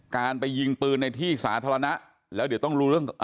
การไปยิงปืนในที่สาธารณะแล้วเดี๋ยวต้องรู้เรื่อง